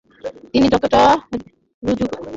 তিনি ততটা ঋজুগতি ধরে রাখতে পারেননি।